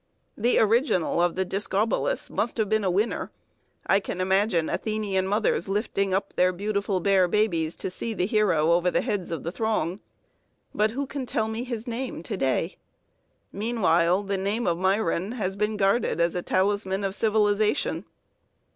The original of the Discobolus must have been a winner, I can imagine Athenian mothers lifting up their beautiful bare babies to see the hero over the heads of the throng, but who can tell me his name to day? Meanwhile the name of Myron has been guarded as a talisman of civilization.